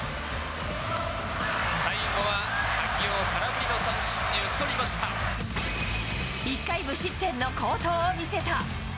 最後は萩尾を空振りの三振に１回無失点の好投を見せた。